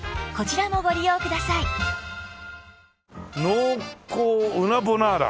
「濃厚うなボナーラ」